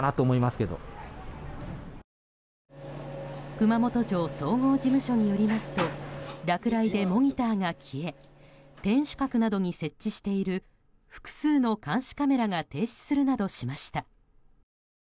熊本城総合事務所によりますと落雷でモニターが消え天守閣などに設置している複数の監視カメラが停止するなどしました。